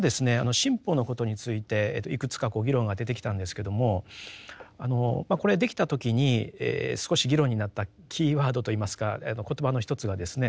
新法のことについていくつか議論が出てきたんですけどもこれできた時に少し議論になったキーワードといいますか言葉の一つがですね